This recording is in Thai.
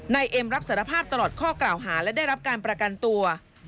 เอ็มรับสารภาพตลอดข้อกล่าวหาและได้รับการประกันตัว